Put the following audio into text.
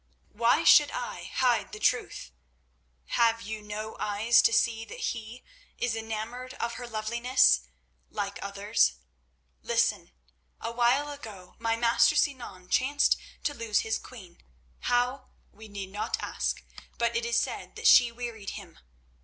"Why should I hide the truth? Have you no eyes to see that he is enamoured of her loveliness—like others? Listen; a while ago my master Sinan chanced to lose his queen—how, we need not ask, but it is said that she wearied him.